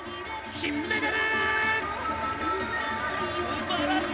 金メダル！